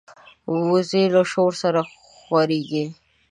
وزې له شور سره ځورېږي